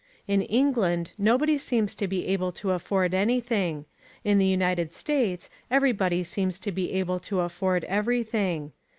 In England nobody seems to be able to afford anything: in the United States everybody seems to be able to afford everything.